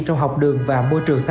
trong học đường và môi trường xã hội